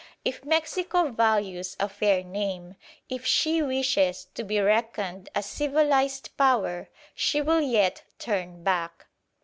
If Mexico values a fair name, if she wishes to be reckoned a civilised Power, she will yet turn back.